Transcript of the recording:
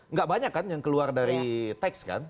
nggak banyak kan yang keluar dari teks kan